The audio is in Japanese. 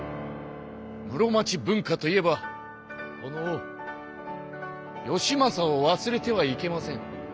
室町文化といえばこの義政をわすれてはいけません。